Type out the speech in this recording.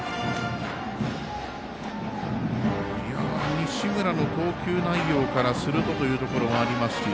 西村の投球内容からするとというところがありますし。